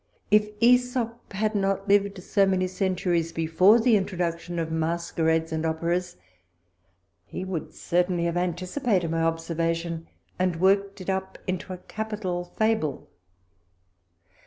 If iEsop had not lived so many centuries before the introduction of masquerades and operas, he would certainly have anticipated my observa tion, and worked it up into a capital fable.